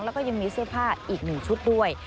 แล้วก็ยังมีเสื้อผ้าอีก๑ชุดด้วย